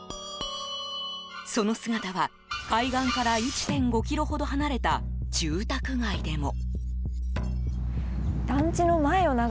その姿は海岸から１．５ｋｍほど離れた住宅街でも。